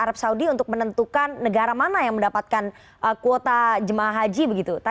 ya kami dengar sinovac itu